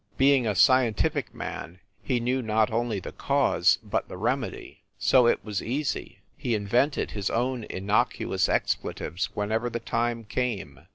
Being a scientific man he knew not only the cause, but the remedy. So it was easy; he invented his own inocuous expletives whenever the time came.